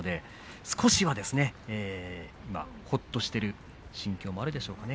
少しは今、ほっとしている心境もあるでしょうかね。